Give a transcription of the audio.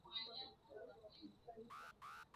inaonekana kwamba wakati ambapo hakuna maji